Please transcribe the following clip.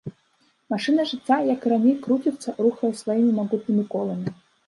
Машына жыцця, як і раней, круціцца, рухае сваімі магутнымі коламі.